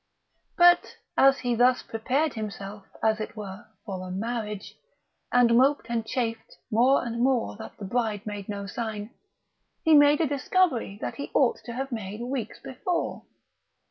But, as he thus prepared himself, as it were, for a Marriage, and moped and chafed more and more that the Bride made no sign, he made a discovery that he ought to have made weeks before.